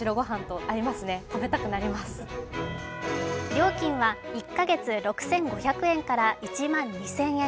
料金は１か月６５００円から１万２０００円。